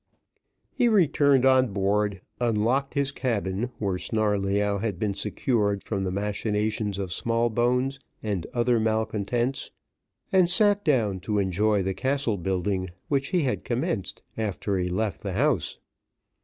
He returned on board, unlocked his cabin, where Snarleyyow had been secured from the machinations of Smallbones and other malcontents, and sat down to enjoy the castle building which he had commenced after he left the house.